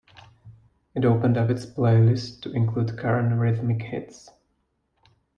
It opened up its playlist to include current Rhythmic hits.